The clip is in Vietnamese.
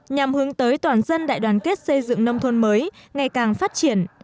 nhằm hướng tới toàn dân đại đoàn kết xây dựng nông thôn mới ngày càng phát triển